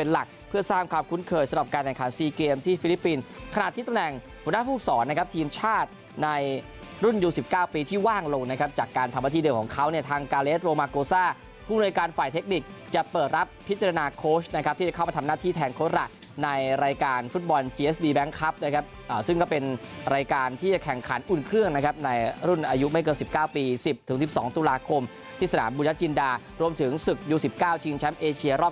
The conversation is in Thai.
หุ้นรายการไฟล์เทคนิคจะเปิดรับพิจารณาโค้ชนะครับที่จะเข้ามาทำหน้าที่แทนโค้ชละในรายการฟุตบอลแบงค์ครับนะครับอ่าซึ่งก็เป็นรายการที่จะแข่งขันอุ่นเครื่องนะครับในรุ่นอายุไม่เกินสิบเก้าปีสิบถึงสิบสองตุลาคมที่สนามบุญชาติจินดารวมถึงศึกยูสิบเก้าจีนแชมป์เอเชียรอบ